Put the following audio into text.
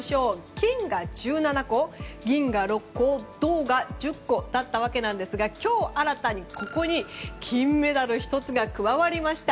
金が１７個、銀が６個銅が１０個だったわけですが今日新たにここに金メダル１つが加わりました。